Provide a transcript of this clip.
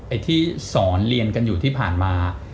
ไอ้ที่สอนเรียนกันอยู่ที่ผ่านมา